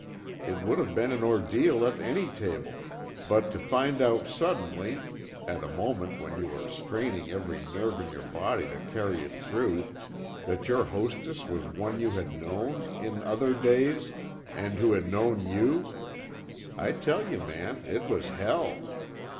It would have been an ordeal at any table, but to find out suddenly at a moment when you were straining every nerve in your body to carry it through, that your hostess was one you had known in other days and who had known you I tell you man it was hell!